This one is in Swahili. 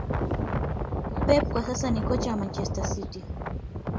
pep kwa sasa ni kocha wa Manchester City